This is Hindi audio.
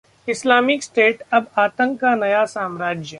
इस्लामिक स्टेट अब आतंक का नया साम्राज्य